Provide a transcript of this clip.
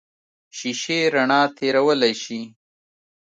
شیشې رڼا تېرولی شي.